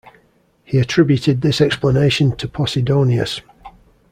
He attributed this explanation to Posidonius.